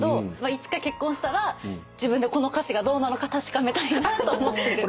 いつか結婚したら自分でこの歌詞がどうなのか確かめたいなと思ってる。